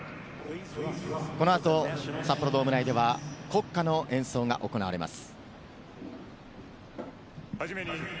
この後、札幌ドーム内では国歌の演奏が行われます。